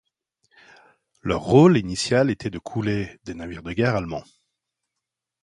Leur rôle initial était de couler des navires de guerre allemands.